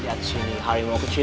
lihat sini harimau kecil